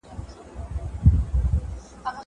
زه مېوې وچولي دي.